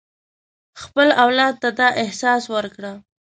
خپل اولاد ته دا احساس ورکړه.